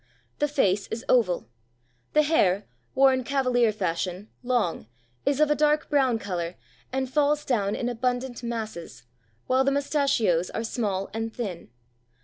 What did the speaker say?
The face is oval, the hair, worn Cavalier fashion, long, is of a dark brown colour and falls down in abundant masses, while the mustachios are small and thin.